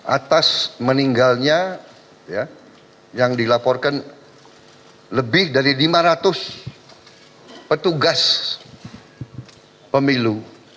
atas meninggalnya yang dilaporkan lebih dari lima ratus petugas pemilu